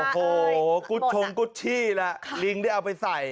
โอ้โหกุ๊ดชมกุ๊ดชี่ลิงได้เอาไปใส่